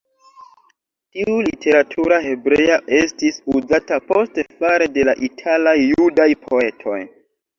Tiu literatura hebrea estis uzata poste fare de la italaj judaj poetoj.